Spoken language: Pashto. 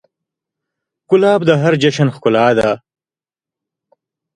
ګلاب د هر جشن ښکلا ده.